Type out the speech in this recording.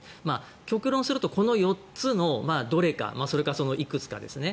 極論するとこの４つのどれかもしくはそのいくつかですね。